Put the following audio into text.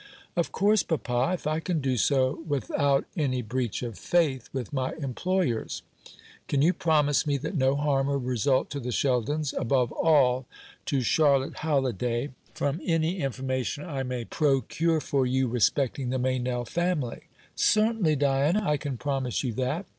"Of course, papa, if I can do so without any breach of faith with my employers. Can you promise me that no harm will result to the Sheldons, above all to Charlotte Halliday, from any information I may procure for you respecting the Meynell family?" "Certainly, Diana, I can promise you that.